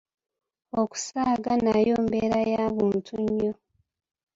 Okusaaga nayo mbeera ya buntu nnyo.